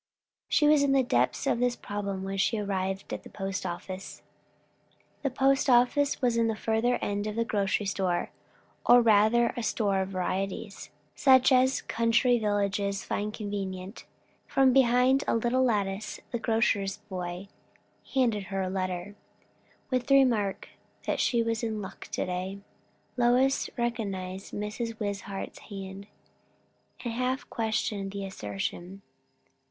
She was in the depths of this problem when she arrived at the post office. The post office was in the further end of a grocery store, or rather a store of varieties, such as country villages find convenient. From behind a little lattice the grocer's boy handed her a letter, with the remark that she was in luck to day. Lois recognized Mrs. Wishart's hand, and half questioned the assertion.